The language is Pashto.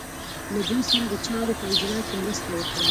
له دوی سره د چارو په اجرا کې مرسته وکړي.